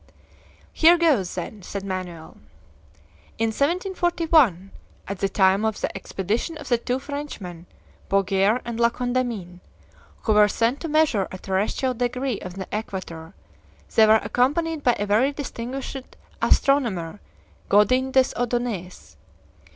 "Here goes, then," said Manoel. "In 1741, at the time of the expedition of the two Frenchmen, Bouguer and La Condamine, who were sent to measure a terrestrial degree on the equator, they were accompanied by a very distinguished astronomer, Godin des Odonais.